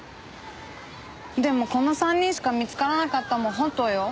でもこの３人しか見つからなかったのも本当よ。